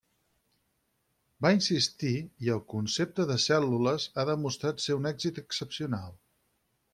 Va insistir, i el concepte de cèl·lules ha demostrat ser un èxit excepcional.